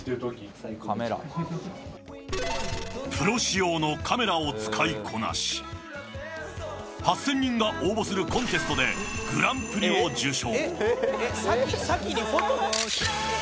プロ仕様のカメラを使いこなし８０００人が応募するコンテストでグランプリを受賞。